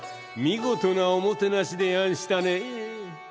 見事なおもてなしでやんしたねえ。